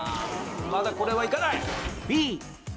まだこれはいかない。